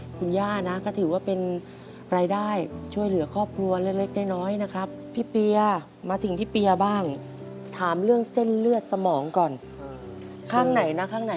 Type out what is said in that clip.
เส้นขวาและแกนสมองแตก๓เส้นเลย